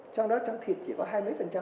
trong đó trong thịt chỉ có hai mấy phần trăm